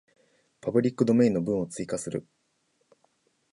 パブリックドメインの文を追加する